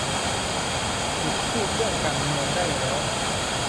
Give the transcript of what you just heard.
"หยุดพูดเรื่องการเมืองได้แล้ว !"